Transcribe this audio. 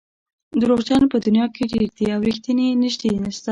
دروغجن په دنیا کې ډېر دي او رښتیني نژدې نشته.